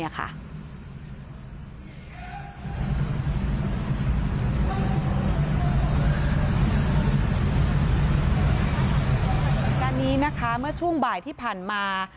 งานนี้นะคะเมื่อช่วงบ่ายที่ผ่านมา